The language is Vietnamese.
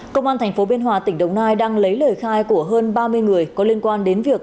công an tp biên hòa tỉnh đồng nai đang lấy lời khai của hơn ba mươi người có liên quan đến việc